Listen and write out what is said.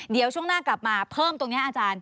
เดี๋ยวช่วงหน้ากลับมาเพิ่มตรงนี้อาจารย์